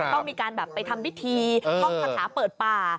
ต้องมีการไปทำวิธีคาถาเปิดป่า